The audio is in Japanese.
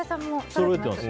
そろえてます。